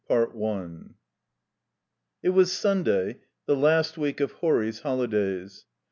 XIV 1 It was Sunday, the last week of Horry's holidays.